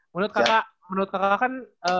menurut kakak menurut kakak kan